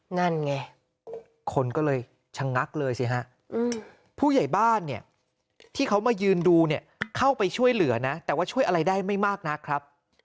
นั่นไงคนก็เลยชะงักเลยสิฮะผู้ใหญ่บ้านเนี่ยที่เขามายืนดูเนี่ยเข้าไปช่วยเหลือนะแต่ว่าช่วยอะไรได้ไม่มากนักครับ